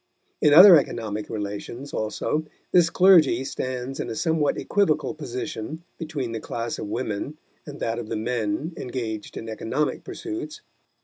In other economic relations, also, this clergy stands in a somewhat equivocal position between the class of women and that of the men engaged in economic pursuits.